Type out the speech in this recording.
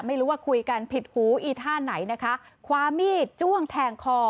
ไม่รู้ว่าคุยกันผิดหูอีท่าไหนนะคะคว้ามีดจ้วงแทงคอ